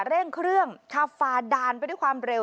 เร่งเครื่องขับฝ่าด่านไปด้วยความเร็ว